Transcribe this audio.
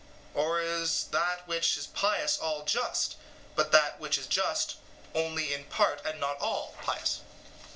or, is that which is pious all just, but that which is just, only in part and not all, pious?